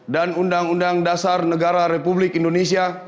dan undang undang dasar negara republik indonesia